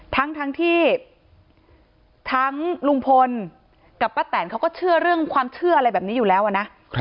ทั้งที่ทั้งลุงพลกับป้าแตนเขาก็เชื่อเรื่องความเชื่ออะไรแบบนี้อยู่แล้วอะนะ